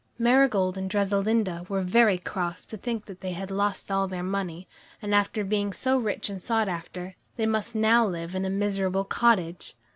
Marigold and Dressalinda were very cross to think that they had lost all their money, and after being so rich and sought after, they must now live in a miserable cottage.